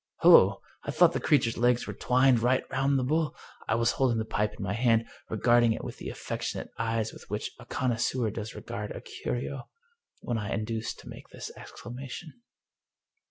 "Hollo! I thought the creature's legs were twined right round the bowl I " I was holding the pipe in my hand, regarding it with the affectionate eyes with which a connoisseur does regard a curio, when I was induced to make this exclamation.